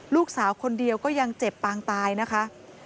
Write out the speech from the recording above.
ลูกสาวคนเดียวก็ยังเจ็บปางตายนะคะ